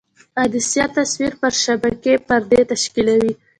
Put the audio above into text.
عدسیه تصویر پر شبکیې پردې تشکیولوي.